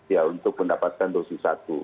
ya untuk mendapatkan dosis satu